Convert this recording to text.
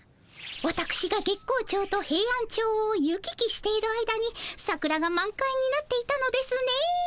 わたくしが月光町とヘイアンチョウを行き来してる間に桜が満開になっていたのですね。